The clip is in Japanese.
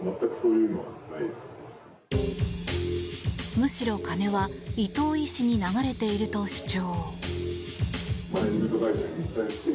むしろ、金は伊藤医師に流れていると主張。